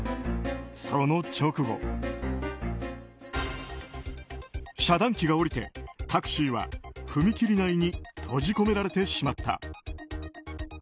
その直後、遮断機が下りてタクシーは踏切内に閉じ込められてしまった。